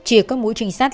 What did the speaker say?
chìa các mũi trình sát